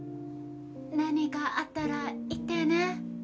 何かあったら言ってね。